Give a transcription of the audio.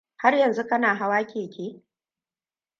Har yanzu kana hawa keke?